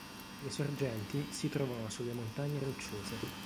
Le sorgenti si trovano sulle Montagne Rocciose.